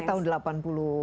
tahun delapan puluh an